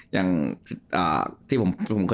อย่างที่ผม